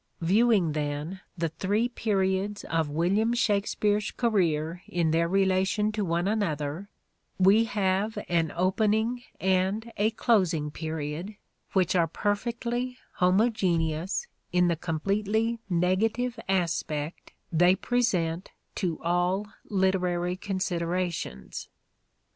The Stratford Viewing then the three periods of William Shakspere's career in their relation to one another we have an opening and a closing period which are perfectly homogeneous in the completely negative aspect they present to all literary considerations.